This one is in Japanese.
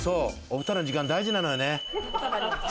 ２人の時間も大事なのよね。